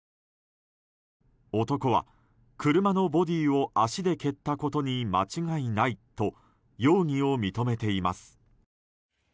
男は、車のボディーを足で蹴ったことに間違いないと容疑を認めています。